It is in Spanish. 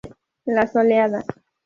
La Soleada.